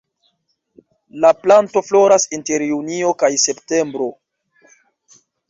La planto floras inter junio kaj septembro.